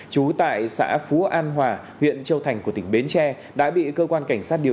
trú tại xã phú an hòa huyện châu thành của tỉnh bến tre